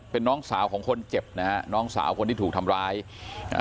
เป็นน้องสาวของคนเจ็บนะฮะน้องสาวคนที่ถูกทำร้ายอ่า